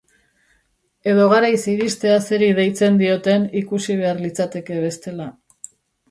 Edo garaiz iristea zeri deitzen dioten ikusi behar litzateke, bestela.